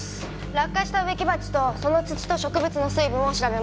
落下した植木鉢とその土と植物の水分を調べました。